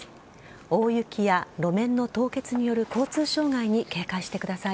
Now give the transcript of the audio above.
大雪や路面の凍結による交通障害に警戒してください。